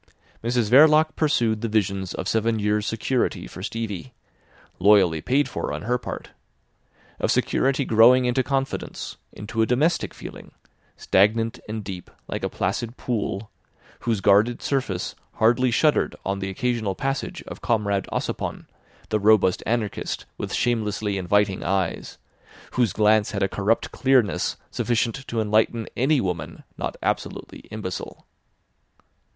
Mrs Verloc pursued the visions of seven years' security for Stevie, loyally paid for on her part; of security growing into confidence, into a domestic feeling, stagnant and deep like a placid pool, whose guarded surface hardly shuddered on the occasional passage of Comrade Ossipon, the robust anarchist with shamelessly inviting eyes, whose glance had a corrupt clearness sufficient to enlighten any woman not absolutely imbecile.